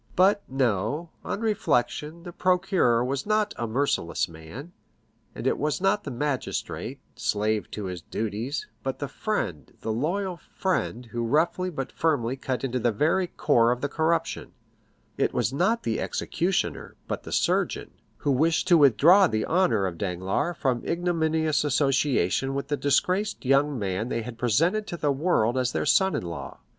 But, no; on reflection, the procureur was not a merciless man; and it was not the magistrate, slave to his duties, but the friend, the loyal friend, who roughly but firmly cut into the very core of the corruption; it was not the executioner, but the surgeon, who wished to withdraw the honor of Danglars from ignominious association with the disgraced young man they had presented to the world as their son in law.